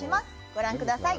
ご覧ください。